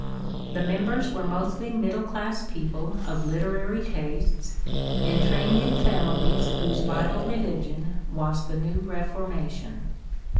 The members were mostly middle class people of literary tastes, and trained in families whose vital religion was the new Reforma tion.